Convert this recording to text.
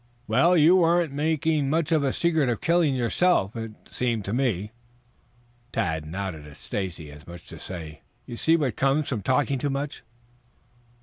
"Well, you weren't making much of a secret of the killing yourself, it seemed to me." Tad nodded at Stacy as much as to say, "You see what comes from talking too much."